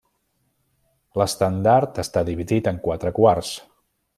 L'estendard està dividit en quatre quarts.